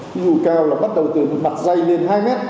ví dụ cao là bắt đầu từ mặt dây lên hai m